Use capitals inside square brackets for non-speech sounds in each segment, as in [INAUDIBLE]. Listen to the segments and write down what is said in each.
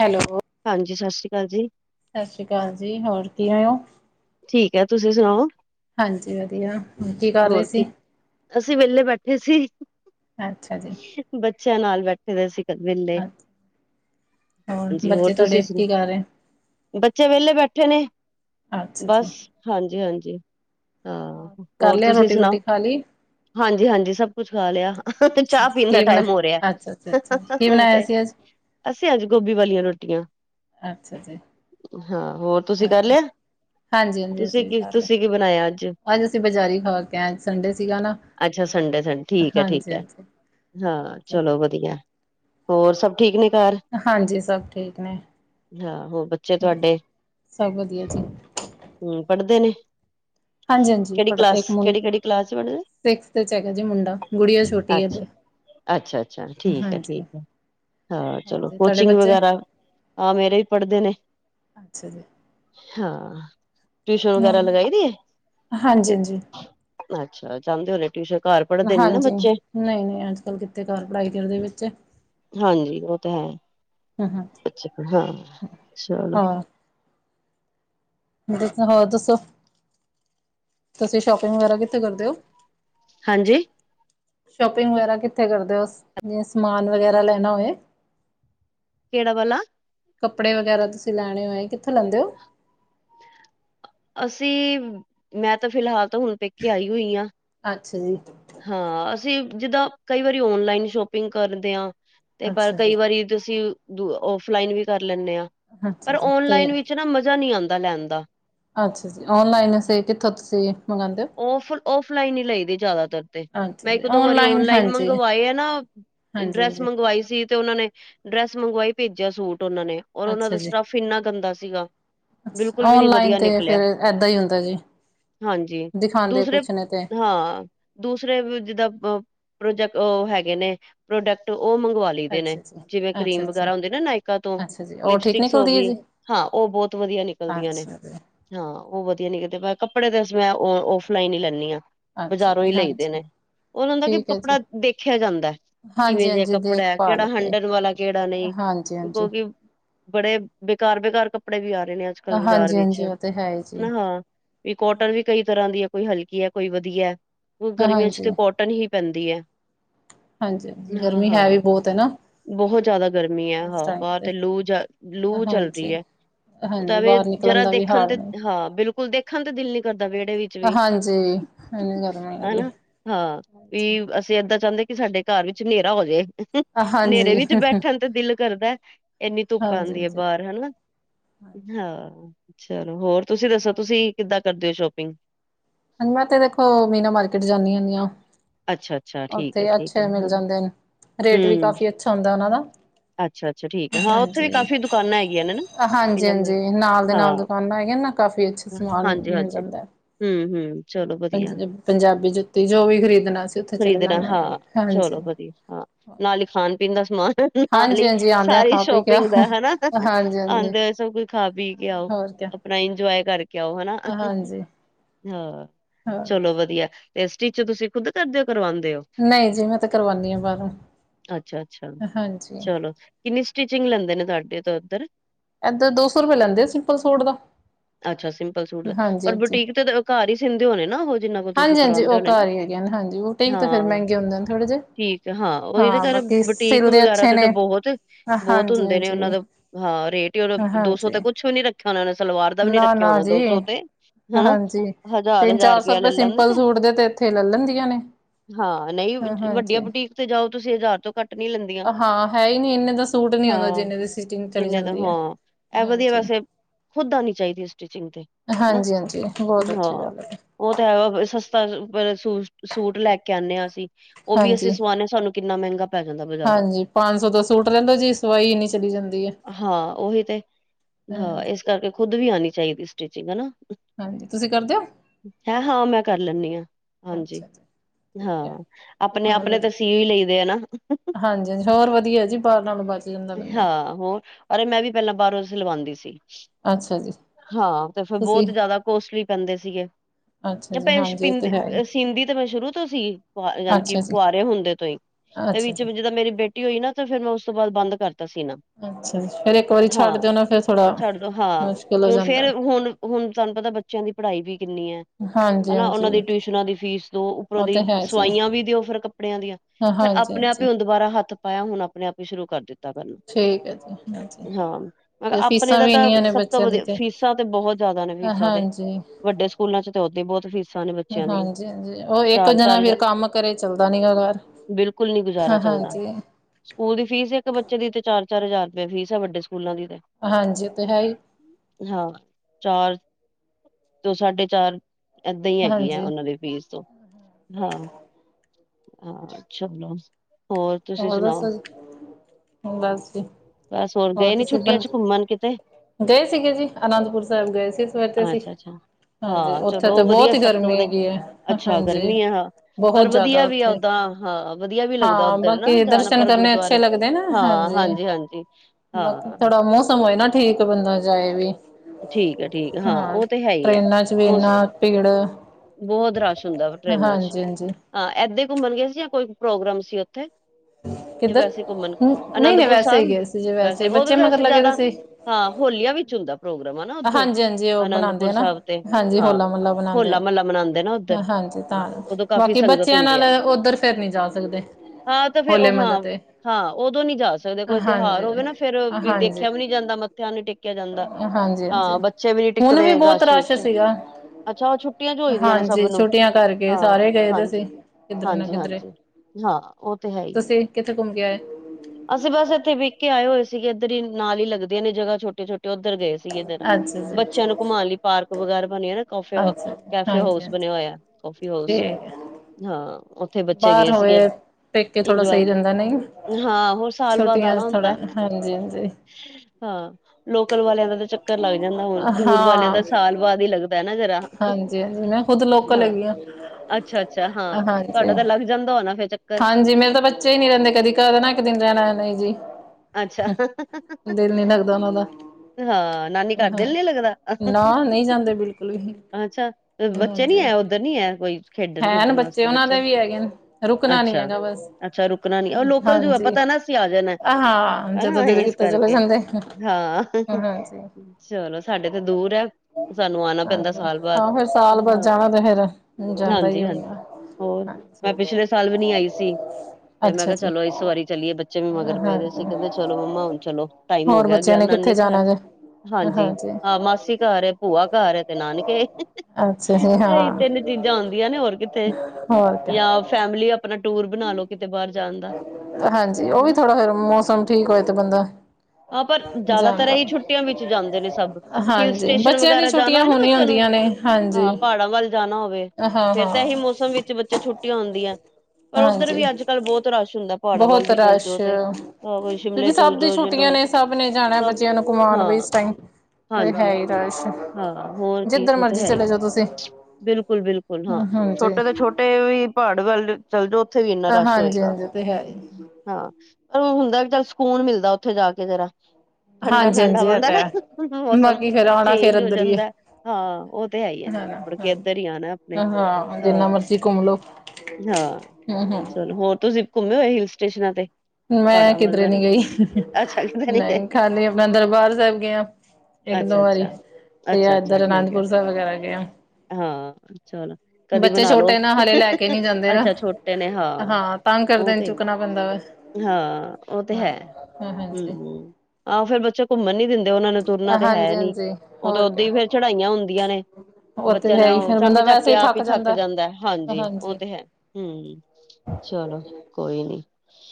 Hello. ਹਾਂਜੀ, ਸਸ ਸ੍ਰੀ ਕਾਲ ਜੀ। ਸਸ ਸ੍ਰੀ ਕਾਲ ਜੀ ਹੋਰ ਕਿਵੇਂ ਹੋ। ਠੀਕ ਹੈ, ਤੁਸੀਂ ਸੁਣਾਓ? ਹਾਂਜੀ ਵਧੀਆ ਕੀ ਕਾਰ ਰੇ ਸੀ? ਅਸੀ ਵੇਲੇ ਬੈਠੇ ਸੀ। ਅੱਛਾ ਜੀ। ਬੱਚਿਆਂ ਨਾਲ ਬੈਠੇ ਦੇ ਸੀ ਕ ਵੇਲੇ। ਅੱਛਾ ਹਾਂਜੀ ਹੋਰ ਬੱਚੇ ਤੂਸੀ ਤੁਹਾਡੇ ਸੁਨ ਕੀ ਕਰ ਰਹੇ ਬੱਚੇ ਵੇਲੇ ਬੈਠੇ ਨੇ। ਅੱਛਾ ਜੀ ਬਸ ਹਾਂਜੀ-ਹਾਂਜੀ ਹਾਂ ਹੋਰ ਕਰ ਹੋਰ ਲਿਆ ਤੂਸੀ ਰੋਟੀ ਰੋਟੀ ਸੁਨਾਓ? ਖਾ ਲਈ ਹਾਂਜੀ-ਹਾਂਜੀ ਸਬ ਕੁਛ ਖਾ ਲੇਆ, ਅੱਛਾ ਚਾਹ ਜੀ। ਪੀਨ ਦਾ ਕੀ ਬਣਾ ਟਾਈਮ ਹੋ ਰੇਆ ਅੱਛਾ ਅੱਛਾ ਅੱਛਾ ਜੀ। ਕੀ ਹੁਨ ਬਣਾਇਆ ਤੇ। ਸੀ ਅੱਜ ਅਸੀ ਆੱਜ ਗੋਬੀ ਵਾਲੀਆਂ ਰੋਟੀਆਂ, ਅੱਛਾ ਜੀ ਹਾਂ ਹੋਰ ਤੂਸੀ ਕਾਰ ਲੇਆ? ਹਾਂਜੀ-ਹਾਂਜੀ ਅਸੀ ਵੀ ਕਾਰ ਲੇਆ ਅੱਜ ਅਸੀ ਬਜਾਰੀ ਖਾ ਕੇ ਆਏ ਅੱਜ ਸੰਡੇ ਸੀਗਾ ਨਾ। ਅੱਛਾ ਸੰਡੇ ਸਨ ਠੀਕ ਹਾਂਜੀ ਐ-ਠੀਕ ਐ। ਹਾਂਜੀ ਹਾਂ ਹੋਰ ਜੀ ਚਲੋ ਵਧੀਆ ਹੋਰ ਸਬ ਠੀਕ ਨੇ ਘਰ? ਹਾਂਜੀ ਸਭ ਠੀਕ ਨੇ ਹਾਂ, ਹੋਰ ਬੱਚੇ ਤੂਆਡੇ? ਸਬ ਵਦੀਆ ਜੀ। ਹੂੰ, ਪਢਦੇ ਨੇ? [INAUDIBLE] ਕੇੜੀ ਪੜ੍ਹ ਕਲਾਸ, ਇੱਕ ਮੁੰ ਕੇੜੀ-ਕੇੜੀ ਕਲਾਸ ਚ ਪਢਦੇ? ਸਿਕਸਥ ਚ ਹੈਗਾ ਜੇ ਮੁੰਡਾ, ਗੁੜੀਆ ਛੋਟੀ ਏ ਹਲੇ। ਅੱਛਾ-ਅੱਛਾ ਠੀਕ ਹਾਂਜੀ ਹੈ-ਠੀਕ ਹੈ। ਹਾਂ ਹੋਰ ਚਲੋ ਜੀ ਤੁਹਾਡੇ ਕੋਚਿੰਗ ਬੱਚੇ ਵਗੈਰਾ, ਹਾਂ ਮੇਰੇ ਵੀ ਪਢਦੇ ਨੇ। ਅੱਛਾ ਜੀ। ਹਾ ਟਵੀਸ਼ਨ ਵਗੈਰਾ ਹਾਂਜੀ ਲਗਾਈ ਦੀ ਏ? ਹਾਂਜੀ ਅੱਛਾ, ਜਾਂਦੇ ਹੋਨੇ। ਟਵੀਸ਼ਨ ਘਰ ਪਢ ਹਾਂਜੀ ਨਈ-ਨਈ ਅਜ ਕਲ ਕਿੱਥੇ ਘਰ ਪਢਾਈ ਕਰਦੇ ਬੱਚੇ। ਹਾਂਜੀ ਓ ਤਾ ਹੈ ਹਾਂ ਬੱਚੇ ਹਾਂ ਚਲੋ। ਦੇਖੋ, ਹੋਰ ਦੱਸੋ? ਤੂਸੀ ਸ਼ੋਪਿੰਗ ਵਗੈਰਾ ਕਿੱਥੇ ਕਰਦੇ ਓ? ਹਾਂਜੀ। ਸ਼ੋਪਿੰਗ ਵਗੈਰਾ ਕਿੱਥੇ ਕਰਦੇ ਓ, ਜਿਵੇਂ ਸਮਾਨ ਵਗੈਰਾ ਲੈਨਾ ਹੋਏ? ਕੇੜਾ ਵਾਲਾ? ਕੱਪੜੇ ਵਗੈਰਾ ਸਿਲਾਣੇ ਹੋਏ, ਕਿੱਥੋਂ ਲੈਂਦੇ ਓ? ਅਸੀ ਮੈਂ ਤਾਂ ਫਿਲਹਾਲ ਤਾਂ ਹੁਨ ਪੇਕੇ ਆਈ ਹੋਈ ਆਂ। ਅੱਛਾ ਜੀ। ਹਾਂ, ਅਸੀ ਜਿੱਦਾਂ ਕਈ ਵਾਰੀ ਔਨਲਾਈਨ ਸ਼ੋਪਿੰਗ ਕਰਦੇ ਆਂ ਤੇ ਪਰ ਅੱਛਾ ਜੀ ਕਈ ਵਾਰੀ ਤੂਸੀ ਔਫ਼ਲਾਈਨ ਵੀ ਕਾਰ ਲੈਨੇ ਆਂ, ਅੱਛਾ ਪਰ ਜੀ ਤੇ ਓਨਲਾਈਨ ਵਿਚ ਇਤਨਾ ਮਜਾ ਨੀ ਆਂਦਾ ਲੈਨ ਦਾ ਅੱਛਾ ਜੀ, ਔਨਲਾਈਨ ਐਸੇ ਕਿੱਥੋਂ ਤੂਸੀ? ਓਫ਼, ਓਫਲਾਈਨ ਈ ਲਈ ਦੇ ਜਾਦਾਤਰ ਤੇ, ਅੱਛਾ ਮੈਂ ਜੀ ਇਕ ਦੋ ਵਾਰੀ ਔਨਲਾਈਨ ਓਨਲਾਈਨ ਹਾਂਜੀ ਮੰਗਵਾਏ ਐ ਨਾ ਹਾਂਜੀ ਡਰੈਸ ਹਾਂਜੀ ਮੰਗਵਾਈ ਸੀ ਤੇ ਓਨਾਂ ਨੇ ਡਰੈਸ ਮੰਗਵਾਈ, ਭੇਜਿਆ ਸੂਟ ਓਨਾਂ ਨੇ ਔਰ ਓਨਾਂ ਅੱਛਾ ਦਾ ਜੀ ਸਟੱਫ ਇੰਨਾ ਗੰਦਾ ਸੀਗਾ। ਬਿਲਕੁਲ ਅੱਛਾ ਵੀ ਨੀ ਔਨਲਾਈਨ ਵਦੀਆ ਤੇ ਫੇਰ ਨਿਕਲੇਆ, ਏਦਾਂ ਹੀ ਹੁੰਦਾ ਜੀ ਹਾਂਜੀ। ਦਿਖਾਉਂਦੇ ਦੂਸਰੇ, ਕੁਛ ਨੇ ਤੇ ਹਾਂ। ਦੂਸਰੇ ਜਿੱਦਾਂ ਪ੍ਰੋਜਕ ਓ ਹੈਗੇ ਨੇ, ਪ੍ਰੋਡਕਟ ਓ ਮੰਗਵਾ ਲਈ ਦੇ ਨੇ ਅੱਛਾ ਜੀ ਜਿਵੇਂ ਅੱਛਾ ਕਰੀਮ ਅੱਛਾ ਵਗੈਰਾ ਹੁੰਦੀ ਨਾ, ਨਾਇਕਾ ਤੋਂ ਅੱਛਾ ਜੀ ਉਹ ਠੀਕ ਲਿਪਸਟਿਕਸ ਨਿਕਲਦੀ ਹੈ ਹੋਗੀ। ਜੀ ਹਾਂ ਓ ਬੋਤ ਵਦੀਆ ਨਿਕਲਦੀਆਂ ਨੇ। ਅੱਛਾ ਜੀ ਹਾਂ ਓ ਵਦੀਆ ਨਿਕਲਦੇ, ਮੈਂ ਕੱਪੜੇ ਤੇ ਮੈਂ ਔਫਲਾਈਨ ਈ ਲੈਨੀ ਆਂ ਅੱਛਾ ਬਜਾਰੋਂ ਜੀ ਈ ਲਈਦੇ ਹਾਂਜੀ ਨੇ, ਓਨਾਂ ਦਾ ਕਿ ਠੀਕ ਹੈ ਜੀ ਕੱਪੜਾ ਦੇਖੇਆ ਜਾਂਦੈ ਹਾਂਜੀ ਕਿਵੇਂ ਜੇਆ ਹਾਂਜੀ ਕੱਪੜੈ, ਕੇੜਾ ਦੇਖਭਾਲ ਕੇ ਹੰਡੱਨ ਵਾਲਾ, ਕੇੜਾ ਨਈ ਹਾਂਜੀ ਹਾਂਜੀ ਕਿਓਂਕਿ ਬੜੇ ਬੇਕਾਰ, ਬੇਕਾਰ ਕੱਪੜੇ ਵੀ ਆ ਰੇ ਨੇ ਆਜ ਕਾਲ ਬਜਾਰ ਹਾਂਜੀ ਵਿਚ, ਹਾਂਜੀ ਉਹ ਤੇ ਹੈ ਹੀ ਜੀ ਹਨਾ ਹਾਂ ਵੀ ਕੋਟਨ ਵੀ ਕਈ ਤਰਾਂ ਦੀ ਐ, ਕੋਈ ਹਲਕੀ ਐ, ਕੋਈ ਵਦੀਐ, ਗਰਮੀਆਂ ਚ ਹਾਂਜੀ ਤੇ ਹਾਂਜੀ ਕੋਟਨ ਹੀ ਪੈਂਦੀ ਹੈ ਹਾਂਜੀ ਹਾਂਜੀ ਹਾਂ ਗਰਮੀ ਹੈ ਵੀ ਹਾਂ। ਬਹੁਤ ਹੈ ਨਾ ਬਹੁਤ ਜ਼ਿਆਦਾ ਗਰਮੀ ਹੈ ਇਸ ਹਾਂ ਟਾਈਮ ਬਾਹਰ ਤੇ ਲੂ ਜਾ ਲੂ ਚੱਲ ਹਾਂਜੀ ਰਹੀ ਹੈ ਉਹ ਹਾਂਜੀ ਤਾਂਵੇ ਬਾਹਰ ਨਿਕਲਣ ਜਰਾ ਦਾ ਵੀ ਦੇਖਣ ਹਾਲ ਤੇ ਨਹੀਂ ਹਾਂ ਬਿਲਕੁਲ ਦੇਖਣ ਤੇ ਦਿਲ ਨੀ ਕਰਦਾ ਵਿਹੜੇ ਵਿੱਚ ਵੀ ਹਾਂਜੀ ਇੰਨੀ ਗਰਮੀ ਹੈਗੀ। ਹਨਾ ਹਾਂ ਵੀ ਹਾਂਜੀ। ਅਸੀਂ ਏਦਾਂ ਚਾਹੁੰਦੇ ਕਿ ਸਾਡੇ ਘਰ ਵਿੱਚ ਹਨੇਰਾ ਹੋ ਜਾਏ ਹਨੇਰੇ ਹਾਂਜੀ, ਵਿੱਚ ਬੈਠਣ ਤੇ ਦਿਲ ਕਰਦਾ ਇੰਨੀ ਧੁੱਪ ਆਉਂਦੀ ਹੈ ਹਾਂਜੀ-ਹਾਂਜੀ। ਬਾਹਰ ਹਨਾ ਹਾਂ ਚਲੋ ਹੋਰ ਤੁਸੀਂ ਦੱਸੋ ਹਾਂਜੀ ਤੁਸੀਂ ਕਿੱਦਾਂ ਕਰਦੇ ਹੋ ਸ਼ੋਪਿੰਗ ਹਾਂਜੀ ਮੈਂ ਤੇ ਦੇਖੋ ਮੀਨਾ ਮਾਰਕੀਟ ਜਾਂਦੀ ਹੁੰਦੀ ਹ ਅੱਛਾ ਅੱਛਾ ਠੀਕ ਉੱਥੇ ਹੈ ਠੀਕ ਹੈ ਅੱਛੇ ਮਿਲ ਹਾਂ ਜਾਂਦੇ ਨੇ ਰੇਟ ਵੀ ਹਮ ਕਾਫੀ ਅੱਛਾ ਹੁੰਦਾ ਉਹਨਾਂ ਦਾ ਅੱਛਾ ਅੱਛਾ ਠੀਕ ਹੈ ਹਾਂ ਉੱਥੇ ਵੀ ਕਾਫ਼ੀ ਦੁਕਾਨ ਹੈਗੀਆਂ ਹਨ ਨਾ ਹਾਂਜੀ ਬਿਨਾਂ ਮੈਂ ਹਾਂਜੀ ਨਾਲ ਦੇ ਨਾਲ ਹਾਂ ਦੁਕਾਨਾਂ ਹੈਗੀਆਂ ਨਾ ਕਾਫ਼ੀ ਅੱਛਾ ਸਮਾਨ ਹਾਂਜੀ ਮਿਲ ਹਾਂਜੀ ਜਾਂਦਾ ਹਮ ਹਮ ਚਲੋ ਵਧੀਆ ਪੰਜ ਪੰਜਾਬੀ ਜੁੱਤੀ ਜੋ ਵੀ ਖਰੀਦਣਾ ਅਸੀਂ ਉੱਥੇ ਚਲੇ ਖ਼ਰੀਦਣਾ ਜਾਂਦੇ ਹਾਂ ਜੀ ਹਾਂਜੀ ਚਲੋ ਵਧੀਆ ਹਾਂ ਨਾਲ ਹੀ ਖਾਣ ਪੀਣ ਦਾ ਸਮਾਨ ਨਾਲ ਹੀ ਹਾਂਜੀ-ਹਾਂਜੀ ਆਉਂਦੇ ਆ ਸਾਰੀ ਖਾ ਪੀ ਕੇ ਸ਼ੋਪਿੰਗ ਦਾ ਹਨਾ ਹਾਂਜੀ-ਹਾਂਜੀ। ਅੰਦੇ ਸਭ ਕੁਈ ਖਾ ਪੀ ਕੇ ਆਓ ਹੋਰ ਕਿਆ ਆਪਣਾ ਇੰਜੋਏ ਕਰਕੇ ਆਓ ਹਨਾ ਹਾਂਜੀ ਹਾਂ ਹੋਰ ਚਲੋ ਵਧੀਆ ਤੇ ਸਟਿਚ ਤੁਸੀਂ ਖੁਦ ਕਰਦੇ ਹੋ ਕਰਵਾਉਂਦੇ ਹੋ ਨਹੀਂ ਜੀ ਮੈਂ ਤਾਂ ਕਰਵਾਉਂਦੀ ਹਾਂ ਬਾਹਰੋਂ ਅੱਛਾ ਅੱਛਾ ਹਾਂਜੀ ਚਲੋ ਕਿੰਨੀ ਸਟਿਚਿੰਗ ਲੈਂਦੇ ਨੇ ਤੁਹਾਡੇ ਤੋਂ ਉੱਧਰ ਇੱਦਰ ਦੋ ਸੌ ਰੁਪਏ ਲੈਂਦੇ ਸਿੰਪਲ ਸੂਟ ਦਾ। ਅੱਛਾ ਸਿੰਪਲ ਸੂਟ ਦਾ ਹਾਂਜੀ ਪਰ ਹਾਂਜੀ ਬੁਟੀਕ ਤੇ ਘਰ ਹੀ ਸਿੰਦੇ ਹੁਨੇ ਨਾ ਉਹ ਜਿੰਨਾ ਕੋਲ ਤੁਸੀਂ ਹਾਂਜੀ ਹਾਂਜੀ, ਕਰਵਾਉਂਦੇ ਉਹ ਹੋਣੇ ਤਾਂ ਨਾ ਘਰ ਹੀ ਹੈਗੇ ਹਨ ਹਾਂਜੀ ਬੂਟੇ ਹੀ ਤਾਂ ਫਿਰ ਹਾਂ ਮਹਿੰਗੇ ਹੁੰਦੇ ਨੇ ਥੋੜੇ ਜਿਹੇ ਠੀਕ ਐ ਹਾਂ ਉਹ ਈ ਤੇ ਕੈਰੇ ਬਾਕੀ ਬੁਟੀਕ ਸਿਲਦੇ ਵਗੈਰਾ ਅੱਛੇ ਤੇ ਤਾਂ ਨੇ ਬਹੁਤ, ਬਹੁਤ ਹਾਂਜੀ ਹੁੰਦੇ ਨੇ ਉਹਨਾਂ ਹਾਂਜੀ ਦਾ ਹਾਂ ਰੇਟ ਈ [UNINTELLIGIBLE] ਦੋ ਸੌ ਤੇ ਹਾਂਜੀ ਕੁਛ ਵੀ ਨੀ ਰੱਖਿਆ ਹੋਣਾ ਉਹੇ ਸਲਵਾਰ ਦਾ ਵੀ ਨੀ ਨਾ ਰੱਖਿਆ ਨਾ ਹੋਣਾ ਦੋ ਜੀ ਸੌ ਤੇ। ਹਨਾ ਹਾਂਜੀ ਹਜ਼ਾਰ ਹਜ਼ਾਰ ਤਿੰਨ-ਚਾਰ ਸੌ ਰੁਪਇਆ ਲੈ ਰੁਪਏ ਲੈਂਦੇ ਸਿੰਪਲ ਨੇ ਸੂਟ ਦੇ ਤੇ ਇੱਥੇ ਲਲ ਲੈਂਦੀਆਂ ਨੇ। ਹਾਂ ਨਈਂ ਹਾਂ ਵੱਡੀਆਂ ਹਾਂਜੀ ਬੁਟੀਕ ਤੇ ਜਾਓ ਤੁਸੀਂ ਹਜ਼ਾਰ ਤੋਂ ਘੱਟ ਨਹੀਂੀ ਲੈਂਦੀਆਂ। ਹਾਂ ਹੈ ਈ ਨੀ ਇੰਨੇ ਦੱਸ ਹਾਂ, ਜਿੰਨੇ ਦਾ ਹਾਂ ਇਹ ਵਧੀਆ ਹਾਂਜੀ ਵੈਸੇ ਖੁਦ ਆਣੀ ਚਾਈਦੀ ਐ ਸਟੀਚਿੰਗ ਤੇ। ਨਾ ਹਾਂਜੀ ਹਾਂਜੀ, ਬੋਤ ਅੱਛੀ ਹਾਂ ਗੱਲ ਐ। ਉਹ ਤਾਂ ਹੈ ਸਸਤਾ ਸੂ ਸੂਟ ਲੈ ਕੇ ਆਣੇ ਆਂ ਅਸੀਂ ਉਹ ਵੀ ਅਸੀਂ ਹਾਂਜੀ ਸਵਾਣੇ ਆ ਸਾਨੂੰ ਕਿੰਨਾ ਮਹਿੰਗਾ ਪੈ ਜਾਂਦਾ ਬਾਜ਼ਾਰੋਂ ਹਾਂਜੀ ਪੰਜ ਸੌ ਦਾ ਸੂਟ ਲਲੋ ਜੀ ਸਵਾਈ ਏਨੀ ਚਲੀ ਜਾਂਦੀ ਐ। ਹਾਂ ਉਹੀ ਤੇ ਹਾਂ। ਕਰਕੇ ਖੁਦ ਵੀ ਆਣੀ ਚਾਈਦੀ ਸਟਿਚਿੰਗ ਹਨਾ। ਹਾਂਜੀ ਤੁਸੀਂ ਕਰਦੇ ਔ। ਹੈ ਹਾਂ, ਮੈਂ ਕਰ ਲੈਂਣੀ ਆਂ ਹਾਂਜੀ। ਅੱਛਾ ਜੀ ਠੀਕ ਹੈ ਹਾਂ ਹੋਰ ਆਪਣੇ-ਆਪਣੇ ਤੇ ਸੀ ਵਧੀਆ ਔ ਲਈਦੇ ਆ ਨਾ। ਹਾਂਜੀ ਹੋਰ ਵਧੀਆ ਜੀ ਪਾਰ ਨਾਲ ਬਸ ਹਾਂ ਹੋਰ ਅਰੇ ਮੈਂ ਵੀ ਪਹਿਲਾਂ ਬਾਹਰੋਂ ਸਿਲਵਾਉਂਦੀ ਸੀ। ਅੱਛਾ ਜੀ ਹਾਂ ਤੇ ਫਿਰ ਤੁਸੀਂ ਬੋਤ ਜ਼ਿਆਦਾ ਕੋਸਟਲੀ ਪੈਂਦੇ ਸੀਗੇ। ਅੱਛਾ ਜੀ ਪੇਂ ਹਾਂਜੀ ਉਹ ਤੇ ਸ਼ਪੀਂਦੀ ਹੈ ਹੀ ਅ ਸੀਂਦੀ ਤਾਂ ਮੈਂ ਸ਼ੁਰੂ ਤੋਂ ਸੀ, ਕੁਆ ਜਾਨ ਕਿ ਅੱਛਾ ਜੀ ਕੁਆਰੇ ਹੁੰਦੇ ਤੋਂ ਈ। ਤੇ ਅੱਛਾ ਵਿੱਚ ਜੀ ਜਿੱਦਾਂ ਮੇਰੀ ਬੇਟੀ ਹੋਈ ਨਾ ਤੇ ਫੇਰ ਮੈਂ ਉਸ ਤੋਂ ਬਾਅਦ ਬੰਦ ਕਰਤਾ ਸੀਨਾ। ਅੱਛਾ ਜੀ ਫੇਰ ਇੱਕ ਵਾਰੀ ਛੱਡ ਹਾਂ, ਦਿਓ ਨਾ ਫੇਰ ਥੋੜਾ ਛੱਡ ਦੋ ਹਾਂ, ਮੁਸ਼ਕਿਲ ਹੋ ਹੁਣ ਜਾਂਦਾ ਫੇਰ ਹੁਣ ਹੁਣ ਤੁਹਾਨੂੰ ਪਤਾ ਬਚ ਬੱਚਿਆਂ ਦੀ ਪੜ੍ਹਾਈ ਵੀ ਕਿੰਨੀ ਐ। ਹਾਂਜੀ ਹਨਾ ਹਾਂਜੀ ਉਹਨਾਂ ਦੀ ਟਿਊਸ਼ਨਾਂ ਦੀ ਫੀਸ ਦੋ, ਉੱਪਰੋਂ ਉਹ ਦੀ ਸਵਾਈਆਂ ਵੀ ਦਿਓ ਫਿਰ ਕੱਪੜਿਆਂ ਦੀਆਂ। ਹਾਂ ਫਿਰ ਹਾਂਜੀ। ਆਪਣੇ ਆਪ ਈ ਹਾਂਜੀ ਹੁਣ ਦੁਬਾਰਾ ਹੱਥ ਪਾਇਆ, ਹੁਣ ਆਪਣੇ ਆਪ ਹੀ ਸ਼ੁਰੂ ਕਰ ਦਿੱਤਾ। [UNINTELLIGIBLE] ਠੀਕ ਹੈ ਜੀ ਹਾਂਜੀ ਹਾਂ ਮੈਂ ਕਿਹਾ ਤੇ ਆਪਣੇ ਫੀਸਾਂ ਦਾ ਵੀ ਤਾਂ ਇੰਨੀਆਂ ਨੇ ਸਭ ਤੋਂ ਬੱਚਿਆਂ ਦੀ ਵਧੀਆ ਫੀਸ ਫੀਸਾਂ ਤੇ ਬਹੁਤ ਜ਼ਿਆਦਾ ਨੇ ਫੀਸਾਂ ਦੇ ਹਾਂਜੀ ਵੱਡੇ ਸਕੂਲਾਂ ਚ ਤੇ ਓਦਾਂ ਈ ਬਹੁਤ ਫੀਸ ਹਾਂਜੀ ਹਾਂਜੀ, ਉਹ ਇੱਕ ਚਾਰ ਜਣਾ ਫਿਰ ਹਜ਼ਾਰ ਕੰਮ ਕਰੇ ਚੱਲਦਾ ਨੀਂ ਗਾ ਘਰ। ਬਿਲਕੁਲ ਨੀ ਗੁਜ਼ਾਰਾ ਹਾਂ ਚੱਲਦਾ। ਹਾਂਜੀ ਸਕੂਲ ਦੀ ਫੀਸ ਇੱਕ ਬੱਚੇ ਦੀ ਤੇ ਚਾਰ-ਚਾਰ ਹਜ਼ਾਰ ਰਪੈ ਫੀਸ ਐ ਵੱਡੇ ਸਕੂਲਾਂ ਦੀ ਤੇ। ਹਾਂਜੀ ਉਹ ਤੇ ਹੈ ਈ। ਹਾਂ ਚਾਰ ਤੋਂ ਸਾਢੇ ਚਾਰ ਏਦਾਂ ਈ ਹੈਗੀ ਆ ਹਾਂਜੀ ਉਹਨਾਂ ਦੇ ਫੀਸ ਤੇ ਹਾਂ ਹਾਂ [UNINTELLIGIBLE] ਤੁਸੀਂ ਹੋਰ ਸੁਣਾਓ ਦੱਸੋ ਜੀ, ਬਸ ਬਸ ਹੋਰ ਗਏ ਨੀਂ ਤੁਸੀਂ ਛੁੱਟੀਆਂ ਬਣ ਚ ਘੁੰਮਣ ਕਿਤੇ? ਗਏ ਸੀਗੇ ਜੀ, ਅਨੰਦਪੁਰ ਸਾਹਿਬ ਗਏ ਸੀ ਸਵੇਰ ਤੇ ਅਸੀਂ। ਅੱਛਾ ਅੱਛਾ ਹਾਂਜੀ ਹਾਂ ਉੱਥੇ ਤੇ ਚਲੋ ਬੋਤ ਵਧੀਆ ਈ ਸਭ ਤੋਂ ਗਰਮੀ ਵਧੀਆ ਹੈਗੀ ਐਂ, ਅੱਛਾ ਹਾਂਜੀ। ਗਰਮੀ ਆ ਹਾਂ ਪਰ ਬਹੁਤ ਵਧੀਆ ਜ਼ਿਆਦਾ ਵੀ ਆ ਉੱਥੇ ਓਦਾਂ ਹਾਂ ਵਧੀਆ ਵੀ ਲੱਗਦਾ ਹਾਂ, ਉੱਧਰ ਨਾ ਬਾਕੀ ਜਾਣਾ ਦਰਸ਼ਨ ਪਰ ਕਰਨੇ ਅੱਛੇ ਗੁਰਦੁਆਰੇ ਲੱਗਦੇ ਨੇ। ਹਾਂ ਹਾਂਜੀ, ਹਾਂਜੀ ਬਾਕੀ ਹਾਂ ਥੋੜਾ ਮੌਸਮ ਹੋਏ ਨਾ ਠੀਕ ਬੰਦਾ ਜਾਏ ਵੀ। ਠੀਕ ਹੈ ਠੀਕ ਹੈ ਹਾਂ, ਉਹ ਤੇ ਹੈ ਹੀ ਹੈ ਟ੍ਰਰੇਨਾਂ ਚ ਵੀ ਮੌਸ ਇਨਾ ਭੀੜ ਬਹੁਤ ਰਸ਼ ਹੁੰਦਾ ਵਾ ਟਰੇਨਾਂ ਚ। ਹਾਂਜੀ ਹਾਂਜੀ ਹਾਂ ਏਦਾਂ ਹੀ ਘੁੰਮਣ ਗਏ ਸੀ ਜਾਂ ਕੋਈ ਪ੍ਰੋਗਰਾਮ ਸੀ ਉੱਥੇ। ਕਿ ਕਿੱਧਰ ਵੈਸੇ ਘੁੰਮਣ ਨਹੀਂ ਨਹੀਂ ਅਨੰਦਪੁਰ ਵੈਸੇ ਹੀ ਸਾਹਿਬ ਗਏ ਸੀ ਜੇ ਵੈਸੇ ਉਹਦੇ ਬੱਚੇ ਤਾਂ ਮਗਰ ਵੈਸੇ ਲੱਗੇ ਦੇ ਜ਼ਿਆਦਾ ਸੀ ਹਾਂ ਹੋਲੀਆਂ ਵਿੱਚ ਹੁੰਦਾ। ਪ੍ਰੋਗਰਾਮ ਹਨਾ ਉੱਥੇ ਹਾਂਜੀ ਹਾਂਜੀ ਉਹ ਬਣਾਉਂਦੇ ਅਨੰਦਪੁਰ ਆ ਨਾ ਸਾਹਿਬ ਤੇ ਹਾਂਜੀ ਹਾਂ ਹੋਲਾ ਮਹੱਲਾ ਬਣਾਉਂਦੇ ਹੋਲਾ ਆ ਮਹੱਲਾ ਮਨਾਂਦੇ ਆ ਨਾ। ਉੱਧਰ ਹਾਂਜੀ ਤਾਂ ਹਾਂ ਉਦੋਂ ਕਾਫ਼ੀ ਬਾਕੀ ਸੰਗਤ ਬੱਚਿਆਂ ਨਾਲ ਹੁੰਦੀਆਂ ਨੇ ਓਧਰ ਫਿਰ ਨੀ ਜਾ ਸਕਦੇ। ਹਾਂ ਤੇ ਫੇਰ ਹੋਲੇ ਉਹ ਮਹੱਲੇ ਹਾਂ ਤੇ ਹਾਂ ਉਦੋਂ ਨੀ ਜਾ ਸਕਦੇ ਕੋਈ ਤਿਉਹਾਰ ਹਾਂਜੀ ਹੋਵੇ ਨਾ ਫੇਰ ਵੀ ਹਾਂਜੀ ਦੇਖਿਆ ਵੀ ਨੀ ਜਾਂਦਾ। ਮੱਥਾ ਵੀ ਨੀ ਟੇਕਿਆ ਜਾਂਦਾ। ਹਾਂਜੀ। ਹਾਂਜੀ ਹਾਂ ਬੱਚੇ ਵੀ ਨੀ ਹੁਣ ਵੀ ਟਿੱਕਦੇ ਬਹੁਤ ਰਸ਼ ਵਿੱਚ ਸੀਗਾ ਅੱਛਾ ਉਹ ਛੁੱਟੀਆਂ ਚ ਹੋਈ ਦੀਆਂ ਨੇ ਸਭ ਹਾਂਜੀ ਨੂੰ ਛੁੱਟੀਆਂ ਕਰਕੇ ਹਾਂ ਸਾਰੇ ਗਏ ਦੇ ਸੀ ਹਾਂਜੀ। ਕਿੱਧਰੇ ਨਾ ਹਾਂਜੀ ਕਿੱਧਰੇ ਹਾਂਜੀ ਹਾਂ ਉਹ ਤੇ ਹੈਈ। ਤੁਸੀਂ ਕਿੱਥੇ ਘੁੰਮ ਕੇ ਆਏ ਅਸੀਂ ਬਸ ਇੱਥੇ ਵਿਕ ਕੇ ਆਏ ਹੋਏ ਸੀਗੇ ਇੱਧਰ ਹੀ ਨਾਲ ਹੀ ਲਗਦੀਆਂ ਨੇ ਜਗ੍ਹਾ ਛੋਟੇ ਛੋਟੇ ਉੱਧਰ ਗਏ ਸੀ। ਸੀ ਇਧਰ ਅੱਛਾ ਜੀ ਬੱਚਿਆਂ ਨੂੰ ਅੱਛਾ ਘੁਮਾਉਣ ਲਈ ਪਾਰਕ ਵਗੈਰਾ ਬਣਿਆ ਨਾ। ਕਫੇ ਅੱਛਾ ਜੀ ਕੈਫੇ ਹਾਂਜੀ ਹਾਊਸ ਹਾਂਜੀ ਬਣਿਆ ਹੋਇਆ ਕਾਫੀ ਹਾਊਸ ਠੀਕ ਹੈ ਹਾਂ। ਉੱਥੇ ਬੱਚੇ ਬਾਹਰ ਗਏ ਸੀਗੇ। ਹੋਵੇ ਪੇਕੇ ਥੋੜਾ ਇੰਜੋਏ ਸਹੀ ਰਹਿੰਦਾ ਨਹੀਂ ਹਾਂ ਹੋਰ ਸਾਲ ਬਾਅਦ ਛੁੱਟੀਆਂ ਆਣਾ ਚ ਥੋੜਾ ਹੁੰਦਾ। ਹਾਂਜੀ ਹਾਂਜੀ ਹਾਂ ਲੋਕ ਲੋਕਲ ਵਾਲਿਆਂ ਦਾ ਤਾਂ ਚੱਕਰ ਲੱਗ ਜਾਂਦਾ ਹੁਣ ਦੂਰ ਵਾਲਿਆਂ ਹਾਂ ਦਾ ਸਾਲ ਬਾਅਦ ਹੀ ਲੱਗਦਾ ਨਾ ਜ਼ਰਾ। ਹਾਂਜੀ ਹਾਂਜੀ ਮੈਂ ਖੁਦ ਲੋਕਲ ਹਾਂ ਹੈਗੀ ਆ ਅੱਛਾ ਅੱਛਾ ਹਾਂ ਤੁਹਾਡਾ ਹਾਂਜੀ ਤਾਂ ਲੱਗ ਜਾਂਦਾ ਹੋਣਾ ਫਿਰ ਚੱਕਰ ਹਾਂਜੀ ਮੇਰੇ ਤਾਂ ਬੱਚੇ ਹੀ ਨੀ ਰਹਿੰਦੇ ਕਦੀ ਕਹਿ ਦੇਣ ਨਾ ਇੱਕ ਦਿਨ ਰਹਿਣਾ ਨਹੀਂ ਜੀ। ਅੱਛਾ। ਦਿਲ ਨੀ ਲੱਗਦਾ ਉਹਨਾਂ ਦਾ ਹਾਂ ਨਾਨੀ ਘਰ ਹਾਂ ਦਿਲ ਨੀ ਲੱਗਦਾ। ਨਾ ਨਹੀਂ ਜਾਂਦੇ ਬਿਲਕੁਲ ਵੀ ਅੱਛਾ ਬੱਚੇ ਨੀ ਹਾਂਜੀ ਐ ਉੱਧਰ ਨੀ ਐ ਕੋਈ। ਖੇਡਣ ਹੈ ਖੁਡਣ ਬੱਚੇ ਵਾਸਤੇ ਉਹਨਾ ਦੇ ਵੀ ਹੈਗੇ ਰੁਕਣਾ ਨੀ ਅੱਛਾ, ਹੈਗਾ ਬਸ ਅੱਛਾ ਰੁਕਣਾ ਨੀ ਉਹ ਲੋਕਲ ਜੋ ਹੈ ਹਾਂਜੀ। ਪਤਾ ਨਾ ਅਸੀਂ ਆ ਜਾਣਾ ਹਾਂ। ਜਦੋਂ ਦਿਲ ਇਸ ਕੀਤਾ ਚਲੇ ਕਰਕੇ ਜਾਂਦੇ ਹਾਂ ਹਾਂਜੀ ਚਲੋ ਸਾਡੇ ਤੇ ਦੂਰ ਐ। ਸਾਨੂੰ ਆਣਾ ਪੈਂਦਾ ਸਾਲ ਬਾਅਦ ਹਾਂ ਫਿਰ ਸਾਲ ਬਾਅਦ ਹਾਂ। ਜਾਣਾ ਤਾਂ ਫਿਰ ਜਾਂਦਾ ਹਾਂਜੀ ਹੀ ਹੁੰਦਾ। ਹਾਂਜੀ ਹੋਰ ਮੈਂ ਹਾਂਜੀ ਪਿਛਲੇ ਸਾਲ ਵੀ ਨੀ ਆਈ ਸੀ। ਤੇ ਮੈਂ ਅੱਛਾ ਕਿਹਾ ਜੀ ਚਲੋ ਇਸ ਵਾਰੀ ਚਲੀਏ ਬੱਚੇ ਵੀ ਮਗਰ ਪਏ ਹਾਂਜੀ ਸੀ। ਕਹਿੰਦੇ ਚਲੋ ਮੰਮਾ ਹੁਣ ਚਲੋ ਟਾਈਮ ਹੋ ਹੋਰ ਗਿਆ ਬੱਚਿਆਂ ਗਿਆ ਨੇ ਕਿੱਥੇ ਨਾਨੀ ਘਰ। ਜਾਣਾ ਜੇ? ਹਾਂਜੀ ਹਾਂ ਮਾਸੀ ਘਰ ਭੂਆ ਘਰ ਤੇ ਨਾਨਕੇ ਅੱਛਾ ਜੀ ਇਹੀ ਹਾਂ। ਤਿੰਨ ਚੀਜ਼ਾਂ ਹੁੰਦੀਆਂ ਨੇ ਹੋਰ ਕਿੱਥੇ ਹੋਰ ਕਿਆ ਜਾਂ ਫੈਮਲੀ ਆਪਣਾ ਟੂਰ ਬਣਾਲੋ। ਹਾਂਜੀ ਉਹ ਵੀ ਹਨਾ ਥੋੜਾ ਫੇਰ ਮੌਸਮ ਠੀਕ ਹੋਏ ਤੇ ਬੰਦਾ ਹਾਂ ਪਰ ਜ਼ਿਆਦਾਤਰ ਜਾਂਦਾ ਇਹੀ ਛੁੱਟੀਆਂ ਵਿੱਚ ਜਾਂਦੇ ਨੇ ਸਭ, ਹਿਲ ਹਾਂਜੀ ਸਟੇਸ਼ਨ ਬੱਚਿਆਂ ਦੀ ਵਗੈਰਾ ਜਾਣਾ ਛੁੱਟੀਆਂ ਏ ਨਾ ਹੋਣੀ ਬੱਚਿਆਂ ਨੂੰ। ਹੁੰਦੀਆਂ ਨੇ ਹਾਂਜੀ। ਹਾਂ ਪਹਾੜਾਂ ਵੱਲ ਜਾਣਾ ਹੋਵੇ ਹਾਂ ਫੇਰ ਹਾਂ ਤਾਂ ਇਹੀ ਮੌਸਮ ਵਿੱਚ ਬੱਚੇ ਛੁੱਟੀਆਂ ਹੁੰਦੀਆਂ। ਪਰ ਉੱਧਰ ਹਾਂਜੀ ਵੀ ਅੱਜ ਕੱਲ ਬਹੁਤ ਰਸ਼ ਹੁੰਦਾ ਪਹਾੜਾਂ ਵੱਲ ਬਹੁਤ ਵੀ ਚੱਲ ਰਸ਼ ਜਾਓ ਤੇ ਆਹ ਕੋਈ ਕਿਉਂਕਿ ਸ਼ਿਮਲੇ ਚੱਲ ਸਭ ਦੀ ਜਾਓ ਜਾਂ ਛੁੱਟੀਆਂ ਡੋਲੇ ਨੇ ਸਭ ਨੇ ਜਾਣਾ ਸਭ ਬੱਚਿਆਂ ਨੂੰ ਘੁਮਾਣ ਬਈ ਹਾਂ ਇਸ ਟਾਈਮ। ਤੇ ਹਾਂਜੀ ਹੈਈ ਰਸ਼, ਹਾਂ ਜਿੱਧਰ ਮਰਜੀ ਚਲੇ ਜਾਓ ਤੁਸੀਂ। ਬਿਲਕੁਲ-ਬਿਲਕੁਲ ਹਾਂ, ਹਾਂਜੀ ਛੋਟੇ ਤੋਂ ਛੋਟੇ ਵੀ ਪਹਾੜ ਵੱਲ ਚਲਜੋ ਉੱਥੇ ਵੀ ਇੰਨਾ ਰਸ਼ ਹਾਂਜੀ ਹੋਏਗਾ, ਹਾਂਜੀ ਤੇ ਹੈ ਹੀ ਹਾਂ। ਉਹ ਹੁੰਦਾ ਚੱਲ ਸਕੂਨ ਮਿਲਦਾ ਉੱਥੇ ਜਾ ਕੇ ਜਰਾ। ਹਾਂਜੀ ਠੰਡਾ-ਠੰਡਾ ਹਾਂਜੀ ਇਹ ਹੁੰਦਾ ਤਾਂ ਨਾ ਹੈ ਮੌਸਮ, ਬਾਕੀ ਫੇਰ ਆਉਣਾ ਫੇਰ ਚੇਂਜ ਹੋ ਅੰਦਰ ਹੀ ਹੈ ਜਾਂਦਾ, ਹਾਂ, ਉਹ ਤੇ ਹੈਈ ਆ। ਮੁੜ ਕੇ ਇਧਰ ਹਾਂ ਹੀ ਆਣਾ ਆਪਣੇ ਹਾਂ ਜਿੰਨਾ ਮਰਜ਼ੀ ਹਾਂ। ਘੁੰਮ ਲੋ ਹਾਂ, ਹਮ ਹਮ ਚਲੋ ਹੋਰ ਤੁਸੀਂ ਹੋਏ ਘੁੰਮੇ ਹਿਲ ਸਟੇਸ਼ਨਾਂ ਤੇ। ਮੈਂ ਪਹਾੜਾਂ ਕਿਧਰੇ ਨੀ ਵਗੈਰਾ ਗਈ, ਅੱਛਾ ਕਿਤੇ ਨੀ ਨਈ ਗਏ ਖਾਲੀ ਆਪਣਾ ਦਰਬਾਰ ਸਾਹਿਬ ਗੇ ਆਂ। ਇੱਕ ਦੋ ਵਾਰੀ ਅੱਛਾ-ਅੱਛਾ। ਤੇ ਯਾ ਅੱਛਾ-ਅੱਛਾ ਏਧਰ ਠੀਕ ਹੈ ਅਨੰਦਪੁਰ ਸਾਹਿਬ ਵਗੈਰਾ ਗਏ ਆਂ। ਹਾਂ ਚਲੋ ਕਦੀ ਬੱਚੇ ਬਣਾ ਲੋ। ਛੋਟੇ ਨਾ ਹਲੇੇ ਲੈ ਕੇ ਨੀ ਜਾਂਦੇ ਨਾ, ਅੱਛਾ ਛੋਟੇ ਨੇ ਹਾਂ। ਤੰਗ ਕਰਦੇ ਉਹ ਨੇ ਤੇ ਚੁੱਕਣਾ ਪੈਂਦਾ ਵੈ। ਹਾਂ ਓਂ ਤੇ ਹੈ ਹਾਂਜੀ ਹੂੰ ਆ ਫਿਰ ਬੱਚੋਂ ਘੁੰਮਣ ਨੀ ਦਿੰਦੇ ਓਨਾ ਨੇ ਤੁਰਨਾ ਤੇ ਹੈ ਹਾਂਜੀ ਨੀ, ਹਾਂਜੀ ਓ ਤੇ ਹੋਰ ਓਦਾਂ ਈ ਕਿਆ ਫੇਰ ਚੜਾਈਆਂ ਹੁੰਦੀਆਂ ਨੇ। ਉਹ ਤੇ ਬੱਚਿਆਂ ਹੈ ਨੇ ਹੀ ਉਹ ਫੇਰ ਚੱਕ- ਬੰਦਾ ਚੱਕ ਵੈਸੇ ਕੇ ਆਪ ਹੀ ਥੱਕ ਜਾਂਦਾ ਜਾਂਦੈ ਹਾਂਜੀ ਓ ਤੇ ਹੈ। ਹੂੰ ਚਲੋ, ਕੋਈ ਨੀ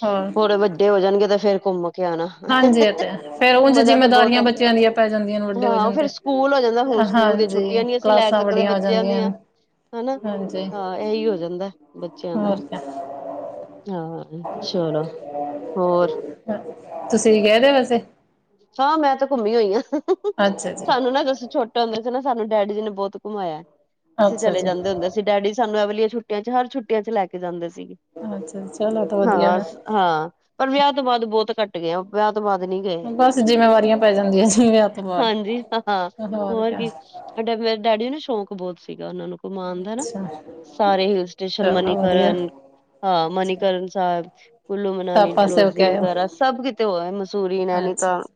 ਹੋਰ ਹੋਰੇ ਵੱਡੇ ਹੋ ਜਾਣਗੇ ਤੇ ਫੇਰ ਘੁੰਮ ਕਿਆ ਨਾ, ਹਾਂਜੀ ਇਹ ਤੇ ਹੈ, ਫੇਰ ਉਝ ਮਜਾ ਤੇ ਬੌਤ ਜਿੰਮੇਦਾਰੀਆਂ ਆਂਦਾ, ਬੱਚਿਆਂ ਦੀਆਂ ਪੈ ਜਾਂਦੀਆਂ ਨੇ ਵੱਡੇ ਹੋ ਹਾਂ ਜਾਣ ਫਿਰ ਤੇ ਕੂਲ ਹੋ ਜਾਂਦਾ ਹੁਣ ਸਕੂਲ ਦੀ ਛੁੱਟੀਆਂ ਹਾਂਜੀ ਨੀ ਅਸੀ ਲੈ ਕਲਾਸਾਂ ਸਕਦੇ ਵੱਡੀਆਂ ਹੋ ਬੱਚਿਆਂ ਜਾਂਦੀਆਂ ਦੀਆਂ, ਨੇ ਹਨਾ, ਹਾਂਜੀ ਹਾਂ ਏਹੀ ਹੋ ਜਾਂਦੈ, ਬੱਚਿਆਂ ਦਾ। ਹੋਰ ਕਿਆ ਹਾਂ ਸ਼ਲੋ, ਹੋਰ ਤੁਸੀਂ ਵੀ ਗਏ ਥੇ ਵੈਸੇ? ਹਾਂ ਮੈਂ ਤੇ ਘੁੰਮੀ ਹੋਈ ਆਂ ਅੱਛਾ ਜੀ ਸਾਨੂੰ ਨਾ ਰਸੀਂ ਛੋਟ ਛੋਟੇ ਹੁੰਦੇ ਸੀ ਨਾ ਸਾਨੂੰ ਡੈਡੀ ਜੀ ਨੇ ਬੌਤ ਘੁਮਾਇਐ, ਅਸੀਂ ਅੱਛਾ ਚਲੇ ਜੀ ਜਾਂਦੇ ਹੁੰਦੇ ਸੀ। ਤੇ ਡੈਡੀ ਸਾਨੂੰ ਐ ਵਾਲੀ ਛੁੱਟੀਆਂ ਚ ਹਰ ਛੁੱਟੀਆਂ ਚ ਲੈ ਕੇ ਜਾਂਦੇ ਸੀ। ਅੱਛਾ-ਅੱਛਾ ਚਲੋ ਤੋ ਵਧੀਆ ਹੈ। ਹਾਂ, ਪਰ ਵਿਆਅ ਤੋਂ ਬਾਅਦ ਬੌਤ ਘੱਟ ਗਏ ਆਂ ਵਿਆਅ ਤੋਂ ਬਾਅਦ ਨੀ ਗਏ। ਬਸ ਜਿੰਮੇਵਾਰੀਆਂ ਪੈ ਜਾਂਦੀਆਂ ਜੀ ਵਿਆਅ ਤੋਂ ਬਾਅਦ, ਹੋਰ ਕਿਆ। ਹਾਡੇ ਫੇਰ ਡੈਡੀ ਨੂੰ ਨਾ ਸ਼ੌੰਕ ਬੌਤ ਸੀਗਾ ਓਨਾਂ ਨੂੰ। ਘੁਮਾਨ ਦਾ ਨਾ, ਅੱਛਾ ਸਾਰੇ ਹਿੱਲ ਸਟੇਸ਼ਨ ਚਲੋ ਵਧੀਆ ਮਨੀਕਰਨ, ਹਾਂ ਅੱਛਾ ਮਨੀਕਰਨ ਸਾਹਿਬ, ਕੁੱਲੂ ਮਨਾਲੀ ਸਭ ਪਾਸੇ ਹੋ ਕੇ ਡਲੋਜ਼ੀ ਆਏ ਹੋ ਵਗੈਰਾ ਸਭ ਕਿਤੇ ਹੋ ਆਏ ਮਸੂਰੀ ਨੈਨੀ ਅੱਛਾ ਤਾਂ, ਜੀ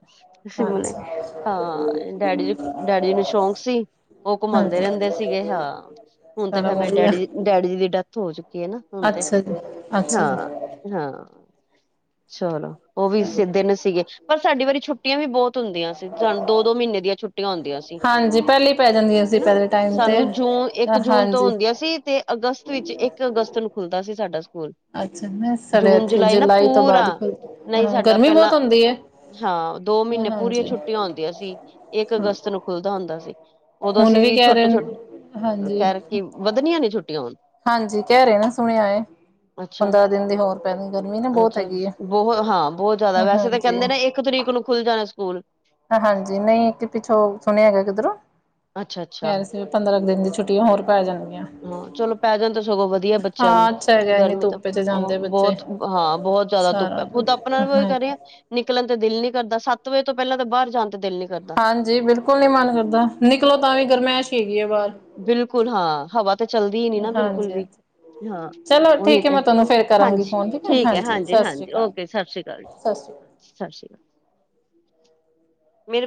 ਸ਼ਿਮਲੇ ਅੱਛਾ ਹਾਂ, ਡੈਡੀ ਜੀ, ਡੈਡੀ ਜੀ ਨੂੰ ਸ਼ੌਕ ਸੀ। ਓ ਘੁਮਾਂਦੇ ਹਾਂਜੀ ਰੈਂਦੇ ਸੀਗੇ ਹਾਂ, ਹੁਣ ਤੇ ਸਾਰਾ ਖੈਰ ਮੇਰੇ ਵਧੀਆ ਡੈਡੀ ਜੀ- ਡੈਡੀ ਜੀ ਦੀ ਡੈਥ ਹੋ ਚੁੱਕ [UNINTELLIGIBLE] ਏ ਨਾ ਹੁਣ ਤੇ, ਅੱਛਾ ਜੀ ਅੱਛਾ ਹਾਂ। ਹਾਂ, ਚਲੋ ਓ ਵੀ ਜੀ ਸੀ ਦਿਨ ਸੀਗੇ ਪਰ ਸਾਡੀ ਵਾਰੀ ਛੁੱਟੀਆਂ ਵੀ ਬੌਤ ਹੁੰਦੀਆਂ ਸੀ ਸਾਨੂੰ ਦੋ- ਦੋ ਮੀਨੇ ਦੀਆ ਛੁਟੀਆਂ ਹੁੰਦੀਆਂ ਸੀ। ਜੀ, ਹਾਂਜੀ ਪਹਿਲੇ ਪੈ ਜਾਂਦੀਆਂ ਸੀ ਹਨਾ ਪਹਿਲੇ ਟਾਈਮ ਤੇ ਸਾਨੂੰ ਜੂਨ ਏਕ ਜੂਨ ਤੋਂ ਹਾਂਜੀ ਹੁੰਦੀਆਂ ਸੀ ਤੇ ਅਗਸਤ ਵਿੱਚ ਏਕ ਅਗਸਤ ਨੂੰ ਖੁੱਲਦਾ ਸੀ ਸਾਡਾ ਸਕੂਲ। ਅੱਛਾ ਮੈਂ ਸਾਡੇ ਜੂਨ ਇੱਥੇ ਜੁਲਾਈ ਨਾ ਤੋਂ ਬਾਅਦ ਪੂਰਾ, ਖੁੱਲ ਨਈ ਹਾਂ ਸਾਡਾ ਗਰਮੀ ਪੈਲਾਂ ਬਹੁਤ ਹੁੰਦੀ ਹੈ ਹਾਂ ਦੋ ਮੀਨੇ ਪੂਰੀਆਂ ਹਾਂਜੀ ਛੁੱਟੀਆਂ ਹੁੰਦੀਆਂ ਸੀ, ਏਕ ਹਾਂ ਅਗਸਤ ਨੂੰ ਖੁੱਲਦਾ ਹੁੰਦਾ ਸੀ। ਓਦੋ ਹੁਣ ਅਸੀਂ ਵੀ ਕਹਿ ਛੋਟੇ- ਰਹੇ ਛੋਟ ਹਾਂਜੀ। ਐਰਕੀ ਵਧਣੀਆਂ ਨੇ ਛੁੱਟੀਆਂ ਹੁਣ? ਹਾਂਜੀ ਕੈ ਰਏ ਨੇ ਸੁਣਿਆ ਏ, ਅੱਛਾ ਪੰਦਰਾਂ ਦਿਨ ਦੀ ਹੋਰ ਪੈਣੀ ਗਰਮੀ ਨਾ ਬੌਤ ਅੱਛਾ ਹੈਗੀ ਏ। ਬਹੁਤ ਹਾਂ ਬੌਤ ਜ਼ਿਆਦਾ ਵੈਸੇ ਤੇ ਕੈਂਦੇ ਨੇ ਏਕ ਤਰੀਕ ਨੂੰ ਖੁੱਲ ਜਾਣਾ ਸਕੂਲ। ਹਾਂਜੀ ਨਈ ਕਿ ਪਿੱਛੋਂ ਸੁਣਿਆ ਹੈਗਾ ਕਿੱਧਰੋਂ, ਅੱਛਾ ਅੱਛਾ ਕੈੰਸਿਲ ਪੰਦਰਾਂ ਕ ਦਿਨ ਦੀ ਛੁੱਟੀਆਂ ਹੋਰ ਪੈ ਜਾਣਗੀਆਂ। ਹਾਂ ਚਲੋ ਪੈ ਜਾਣ ਤੇ ਸਗੋਂ ਵਦੀਐ ਬੱਚੇਆਂ ਨੂੰ, ਹਾਂ ਅੱਛਾ ਹੈਗਾ ਇੰਨੀ ਗਰਮੀ ਤਾਂ ਧੁੱਪ ਚ ਹੋਂ ਜਾਂਦੇ ਬੱਚੇ ਬੋਤ ਹਾਂ ਬਹੁਤ ਜਾਦਾ ਧੁੱਪ ਸਾਰਾ ਐ, ਖੁੱਦ ਅਪਨਾ ਵੀ ਓਈ ਹਾਂ ਕਰ ਰੇ ਆਂ ਨਿਕਲਨ ਤੇ ਦਿਲ ਨੀ ਕਰਦਾ, ਸੱਤ ਵਜੇ ਤੋਂ ਪੈਲਾਂ ਤੇ ਬਾਰ ਜਾਨ ਤੇ ਦੇਲ ਨੀ ਕਰਦਾ। ਹਾਂਜੀ ਬਿਲਕੁਲ ਨੀ ਮਨ ਕਰਦਾ, ਨਿਕਲੋ ਤਾਂ ਵੀ ਗਰਮੈਸ਼ ਈ ਹੈਗੀ ਐ ਬਾਰ। ਬਿਲਕੁਲ ਹਾਂ ਹਵਾ ਤੇ ਚਲਦੀ ਨੀ ਨਾ ਬਿਲਕੁਲ ਹਾਂਜੀ ਵੀ। ਹਾਂਜੀ ਹਾਂ ਚਲੋ ਓਹੀ ਠੀਕ ਹੈ ਤੇ, ਮੈਂ ਤੁਹਾਨੂੰ ਫੇਰ ਕਰਾਂਗੀ ਹਾਂਜੀ ਫੋਨ ਠੀਕ ਹੈ ਹਾਂਜੀ, ਸਤਿ ਸ਼੍ਰੀ ਹਾਂਜੀ ਅਕਾਲ ਓਕੇ, ਸਾ ਸ੍ਰੀ ਕਾਲ ਜੀ। ਸਤਿ ਸ਼੍ਰੀ ਅਕਾਲ ਸਤਿ ਸ੍ਰੀ ਅਕਾਲ। ਮੇਰੇ